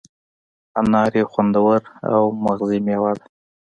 انار یو خوندور او مغذي مېوه ده.